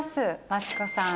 マツコさん